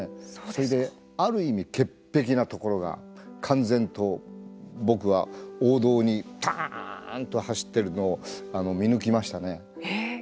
それで、ある意味潔癖なところが敢然と、僕は王道にパーンと走ってるのを見抜きましたね。